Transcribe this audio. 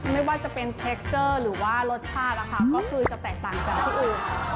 ไม่ว่าจะเป็นเทคเกอร์หรือว่ารสชาตินะคะก็คือจะแตกต่างจากที่อื่น